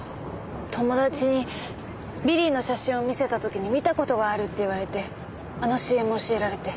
友達にビリーの写真を見せた時に見た事があるって言われてあのＣＭを教えられて。